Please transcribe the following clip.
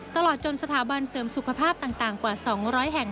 ตลอดจนสถาบันเสริมสุขภาพต่างกว่า๒๐๐แห่ง